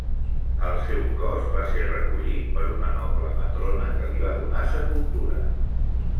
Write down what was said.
El seu cos va ser recollit per una noble matrona que li va donar sepultura.